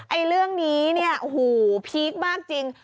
ไอ้เรื่องนี้เนี่ยโอ้โหพีคมากจริง